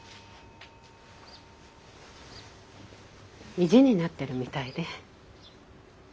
意地になってるみたいで。